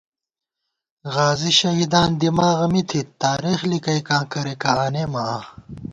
غازی شہیدان دِماغہ می تھِت ، تارېخ لِکَئیکاں کریَکہ آنېمہ آں